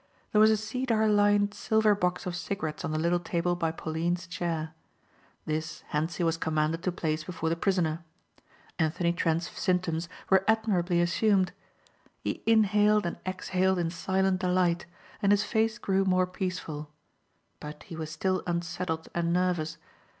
There was a cedar lined silver box of cigarettes on the little table by Pauline's chair. This Hentzi was commanded to place before the prisoner. Anthony Trent's symptoms were admirably assumed. He inhaled and exhaled in silent delight and his face grew more peaceful. But he was still unsettled and nervous.